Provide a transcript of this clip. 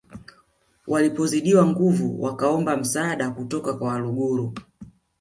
Walipozidiwa nguvu wakaomba msaada kutoka kwa Waluguru